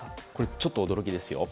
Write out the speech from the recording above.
ちょっと驚きですよ。